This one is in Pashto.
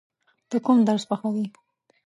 ته کوم درس خوښوې؟